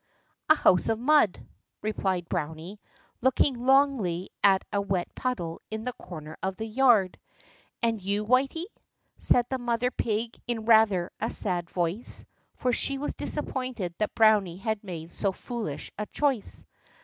"A house of mud," replied Browny, looking longingly at a wet puddle in the corner of the yard. "And you, Whity?" said the mother pig in rather a sad voice, for she was disappointed that Browny had made so foolish a choice.